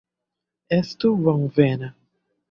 Estu bonvena!